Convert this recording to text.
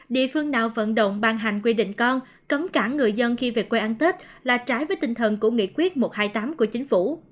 địa phương nào vận động ban hành quy định con cấm cả người dân khi về quê ăn tết là trái với tinh thần của nghị quyết một trăm hai mươi tám của chính phủ